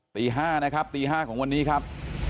ตี๕นะครับตี๕ของวันนี้ครับ